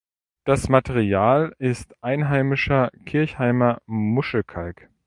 Das Material ist einheimischer Kirchheimer Muschelkalk.